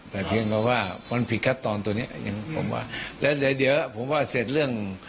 แต่เพียงเขาว่ามันผิดคัดตอนตัวเนี้ยผมว่าแล้วเดี๋ยวผมว่าเสร็จเรื่อง